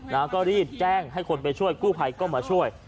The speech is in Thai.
ก็รีบแจ้งให้คนไปช่วยกู้ภัยก็มาช่วย